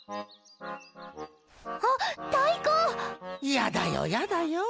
やだよやだよぉ。